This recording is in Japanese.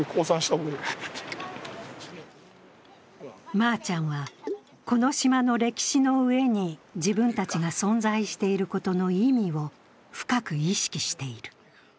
まーちゃんは、この島の歴史の上に自分たちが存在していることの意味を深く意識している。